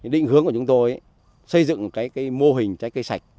định hướng của chúng tôi xây dựng mô hình trái cây sạch